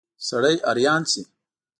سړی حیران شي.